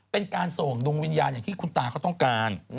เป็นการส่งดวงวิญญาณอย่างที่คุณตาเขาต้องการ